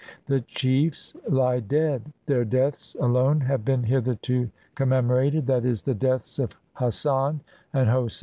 The chiefs lie dead — their deaths alone have been hitherto com memorated — that is, the deaths of Hassan and Hosein.